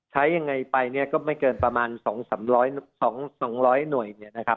ใช้อย่างไรไปก็ไม่เกินประมาณ๒๐๐หน่วย